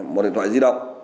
một điện thoại di động